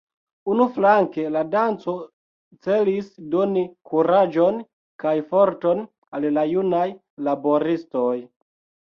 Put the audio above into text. Unuflanke la danco celis doni kuraĝon kaj forton al la junaj laboristoj.